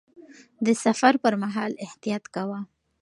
د سفر پر مهال احتياط کاوه.